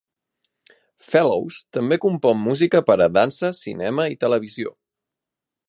Fellows també compon música per a dansa, cinema i televisió.